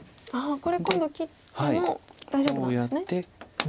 これ今度切っても大丈夫なんですね。